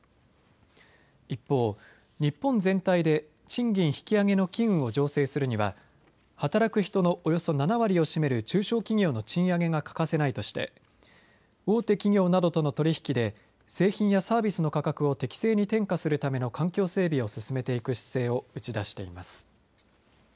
一方、日本全体で賃金引き上げの機運を醸成するには働く人のおよそ７割を占める中小企業の賃上げが欠かせないとして大手企業などとの取り引きで製品やサービスの価格を適正に転嫁するための環境整備を進めていく姿勢を打ち出しています。